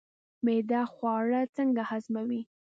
معده خواړه څنګه هضموي